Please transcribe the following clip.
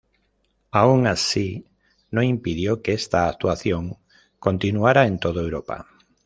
Aun así, no impidió que esta actuación continuara en todo Europa.